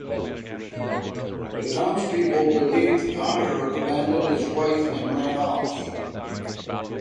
The townspeople believe Geir abandoned his wife and ran off.